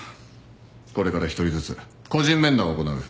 これから１人ずつ個人面談を行う。